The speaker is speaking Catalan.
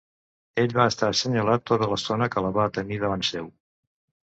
Ell va estar assenyat tota l'estona que la va tenir davant seu.